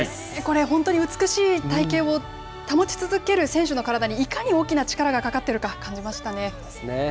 これ、本当に美しい隊形を保ち続ける選手の体にいかに大きな力がかかっそうですね。